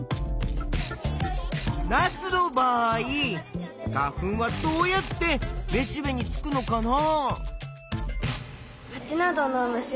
ナスの場合花粉はどうやってめしべにつくのかな？